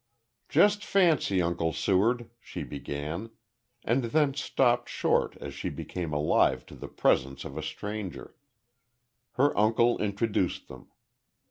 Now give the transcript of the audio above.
"Just fancy, Uncle Seward," she began and then stopped short as she became alive to the presence of a stranger. Her uncle introduced them.